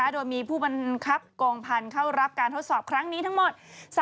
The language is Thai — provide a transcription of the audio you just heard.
โดยมีผู้บังคับกองพันธุ์เข้ารับการทดสอบครั้งนี้ทั้งหมด